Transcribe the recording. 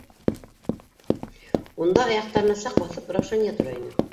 Унда аяҡтарына саҡ баҫып Раушания тора ине.